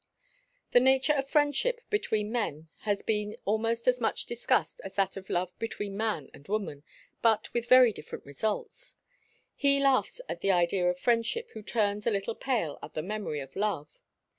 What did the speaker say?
The nature of friendship between men has been almost as much discussed as that of love between man and woman, but with very different results. He laughs at the idea of friendship who turns a little pale at the memory of love.